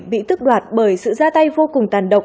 bị tức đoạt bởi sự ra tay vô cùng tàn động